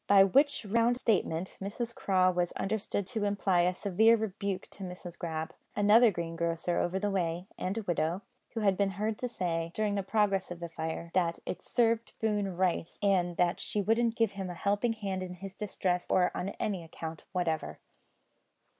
By which round statement, Mrs Craw was understood to imply a severe rebuke to Mrs Grab another greengrocer over the way (and a widow) who had been heard to say, during the progress of the fire, that it served Boone right, and that she wouldn't give him a helping hand in his distress on any account whatever.